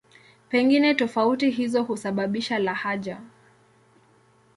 Pengine tofauti hizo husababisha lahaja.